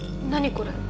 これ。